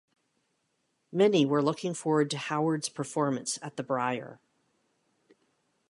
Many were looking forward to Howard's performance at the Brier.